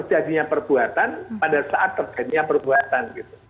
jadinya perbuatan pada saat terkenya perbuatan gitu